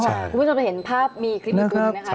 คุณพิศัพท์เห็นภาพมีคลิปบีบรึงหนึ่งนะคะ